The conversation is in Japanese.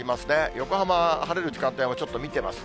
横浜は晴れる時間帯もちょっと見てます。